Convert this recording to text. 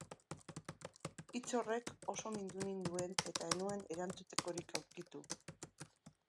Hitz horrek oso mindu ninduen eta ez nuen erantzutekorik aurkitu.